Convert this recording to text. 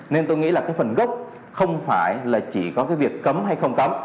nên tôi nghĩ là cái phần gốc không phải là chỉ có cái việc cấm hay không cấm